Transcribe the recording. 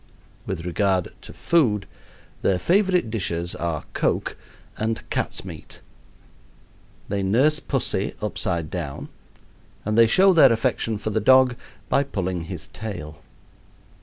With regard to food, their favorite dishes are coke and cat's meat. They nurse pussy upside down, and they show their affection for the dog by pulling his tail.